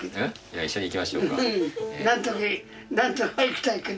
いや一緒に行きましょうか。